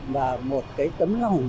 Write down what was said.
và một cái tấm lòng của người mẹ